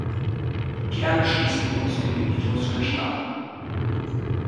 Gerne schließen wir uns den Genesungswünschen an.